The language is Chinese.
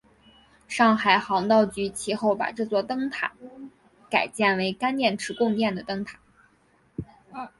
上海航道局其后把这座灯楼改建为干电池供电的灯塔。